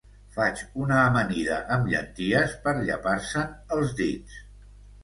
Faig una amanida amb llenties per llepar-se'n els dits.